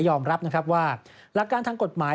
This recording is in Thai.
ยอมรับว่ารักการทางกฎหมาย